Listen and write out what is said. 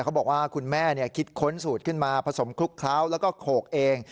คุณแม่คิดค้นสูตรขึ้นมาผสมคลุกเคล้าแล้วก็โขกเอง